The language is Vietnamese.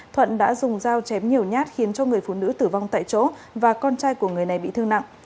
thuận đã dùng dao chém nhiều nhát khiến cho người phụ nữ tử vong tại chỗ và con trai của người này bị thương nặng